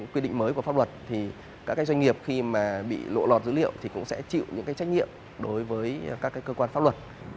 quy định mới của pháp luật thì các doanh nghiệp khi mà bị lộ lọt dữ liệu thì cũng sẽ chịu những cái trách nhiệm đối với các cơ quan pháp luật